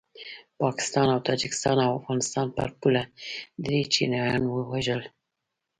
پاکستان د تاجکستان او افغانستان پر پوله دري چینایان ووژل